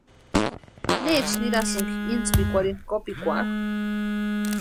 ¿Necha nirasïnki intspikwarhini kopikwarhu?